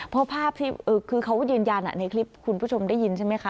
เพราะภาพที่คือเขาก็ยืนยันในคลิปคุณผู้ชมได้ยินใช่ไหมคะ